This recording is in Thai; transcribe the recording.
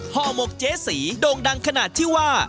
ห่อหมกเจ๊สีโด่งดังขนาดที่ว่า